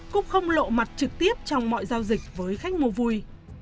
cũng không lộ mặt trực tiếp trong mọi giao dịch với khách mua vui